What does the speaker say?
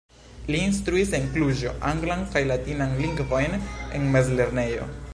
Li instruis en Kluĵo anglan kaj latinan lingvojn en mezlernejo.